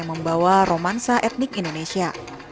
membawa romansa etnik indonesia